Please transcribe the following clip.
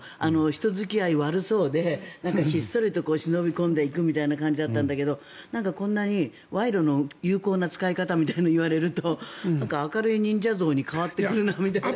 人付き合いが悪そうでひっそりと忍び込んでいくみたいな感じだったんだけどこんなに賄賂の有効な使い方みたいなのを言われると明るい忍者像に変わってくるなみたいな。